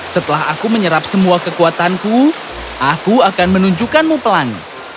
setelah aku menyerap semua kekuatanku aku akan menunjukkanmu pelangi